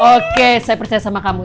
oke saya percaya sama kamu